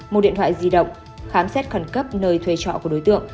một điện thoại di động khám xét khẩn cấp nơi thuê trọ của đối tượng